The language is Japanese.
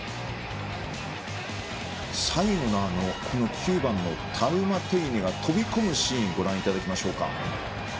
最後の９番のタウマテイネが飛び込むシーンご覧いただきましょうか。